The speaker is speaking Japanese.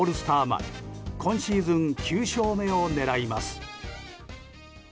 前今シーズン９勝目を狙います。